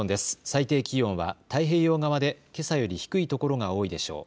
最低気温は太平洋側でけさより低い所が多いでしょう。